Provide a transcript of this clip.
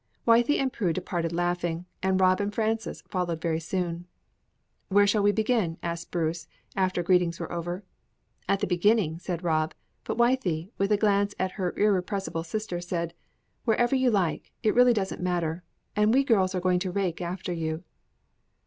'" Wythie and Prue departed laughing, and Rob and Frances followed very soon. "Where shall we begin?" asked Bruce, after greetings were over. "At the beginning," said Rob, but Wythie, with a glance at her irrepressible sister, said: "Wherever you like; it really doesn't matter. And we girls are going to rake after you."